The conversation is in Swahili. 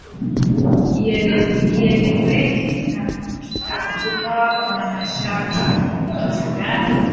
ieleweki na tukawa kuna mashaka ni kitu gani